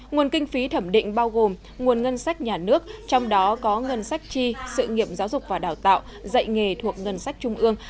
nguồn kinh phí thẩm định bao gồm nguồn ngân sách nhà nước trong đó có ngân sách chi sự nghiệm giáo dục và đào tạo dạy nghề thuộc ngân sách trung ương